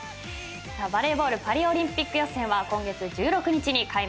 バレーボールパリオリンピック予選は今月１６日に開幕。